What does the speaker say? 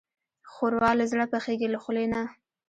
ښوروا له زړه پخېږي، له لوښي نه.